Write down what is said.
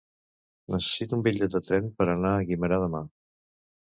Necessito un bitllet de tren per anar a Guimerà demà.